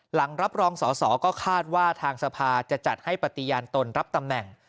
หลังรับรองสอสอก็คาดว่าทางสภาจะจัดให้ปฏิญาณตนรับตำแหน่ง